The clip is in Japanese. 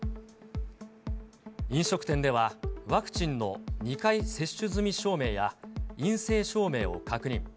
飲食店では、ワクチンの２回接種済み証明や、陰性証明を確認。